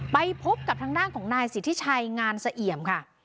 ไปพบกับทางด้านของนายสิทธิชัยงานเสเอี่ยมค่ะ